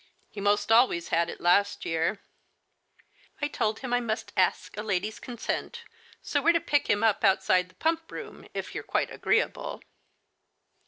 He 'most always had it last year. I told him I must ask a lady's consent, so we're to pick him up outside the Pump room if you're quite agreeable."